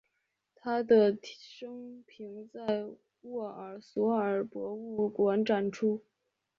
他的生平在沃尔索尔博物馆展出。